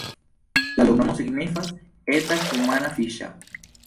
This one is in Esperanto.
La loknomo signifas: eta-kumana-fiŝa.